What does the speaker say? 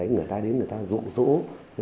người ta đến người ta rụng rỗ